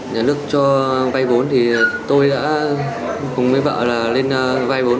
nhà nước cho vay vốn thì tôi đã cùng với vợ là lên vay vốn